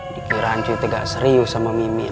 dikiraan cuy teh ga serius sama mimin